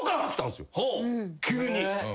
急に。